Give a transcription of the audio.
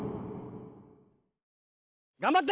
頑張って！